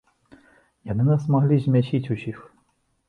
Яны нас маглі змясіць усіх.